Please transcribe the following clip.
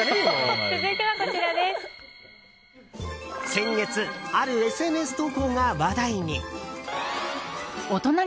先月、あるＳＮＳ投稿が話題に。